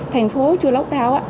thành phố chưa lockdown